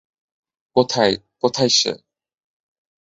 কোথায়-- কোথায় সে?